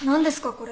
これ。